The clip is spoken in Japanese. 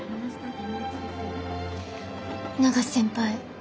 永瀬先輩。